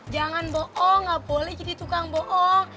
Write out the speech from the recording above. jangan bohong gak boleh jadi tukang bohong